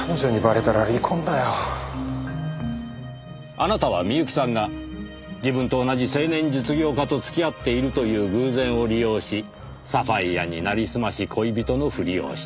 あなたは美由紀さんが自分と同じ青年実業家と付き合っているという偶然を利用しサファイアになりすまし恋人のふりをした。